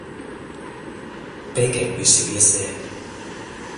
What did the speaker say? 悲劇會少一些